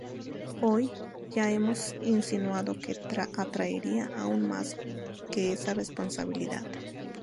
Hoy ya hemos insinuado que atraería aún más que esa responsabilidad.